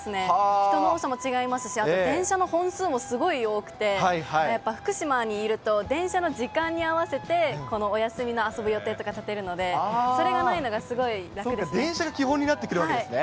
人の多さも違いますし、電車の本数もすごい多くて、やっぱ福島にいると、電車の時間に合わせてお休みの遊ぶ予定とか立てるので、それがないのがすご電車が基本になってくるわけですね。